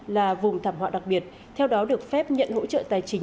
là vùng thảm họa đặc biệt theo đó được phép nhận hỗ trợ tài chính